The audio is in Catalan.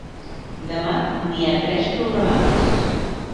Demà n'hi ha tres programades.